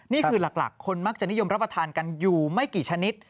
นี่คือหลักคนมักจะนิยมรับประทานกันอยู่ไม่กี่ชนิด